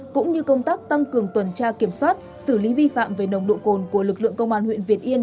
cũng như công tác tăng cường tuần tra kiểm soát xử lý vi phạm về nồng độ cồn của lực lượng công an huyện việt yên